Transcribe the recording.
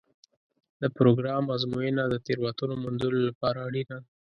د پروګرام ازموینه د تېروتنو موندلو لپاره اړینه ده.